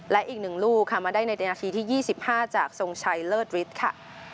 และอีก๑ลูกค่ะมาได้ในนาทีที่๒๕จากทรงชัยเลิศฤทธิ์ค่ะ